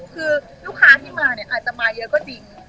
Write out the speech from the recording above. คือลูกค้าที่มาเนี่ยอาจจะมาเยอะก็จริง